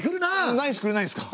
ナイスくれないんですか？